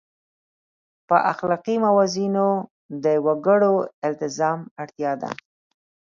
په اخلاقي موازینو د وګړو التزام اړتیا ده.